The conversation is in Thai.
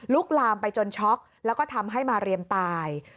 ลามไปจนช็อกแล้วก็ทำให้มาเรียมตาย